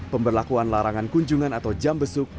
pemberlakuan larangan kunjungan atau jam besuk